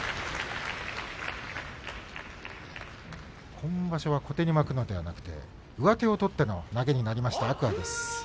今場所は小手に巻くのではなくて上手を取っての投げになりました天空海です。